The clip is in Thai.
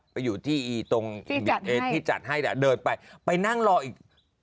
ไปอยู่ที่ตรงที่จัดให้ที่จัดให้แหละเดินไปไปนั่งรออีก